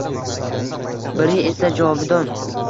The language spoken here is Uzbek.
Biri esa — jovidon.